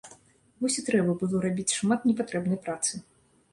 Вось і трэба было рабіць шмат непатрэбнай працы.